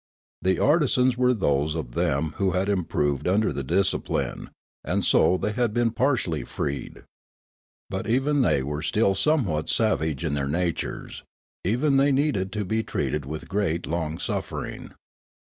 The artisans were those of them who had improved under the discipline, and so they had been partially freed. But even they were still somewhat savage in their natures ; even they needed to be treated with great long suffering.